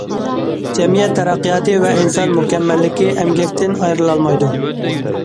جەمئىيەت تەرەققىياتى ۋە ئىنسان مۇكەممەللىكى ئەمگەكتىن ئايرىلالمايدۇ.